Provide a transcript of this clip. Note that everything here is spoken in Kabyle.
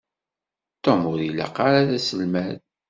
Tom ur ilaq ara d aselmad.